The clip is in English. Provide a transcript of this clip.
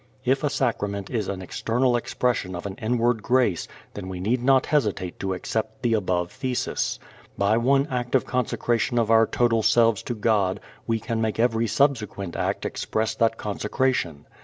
If a sacrament is an external expression of an inward grace than we need not hesitate to accept the above thesis. By one act of consecration of our total selves to God we can make every subsequent act express that consecration.